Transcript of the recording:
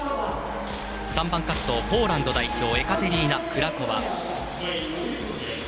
３番滑走、ポーランド代表エカテリーナ・クラコワ。